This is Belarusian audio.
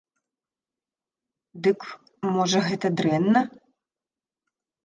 Дык, можа, гэта дрэнна?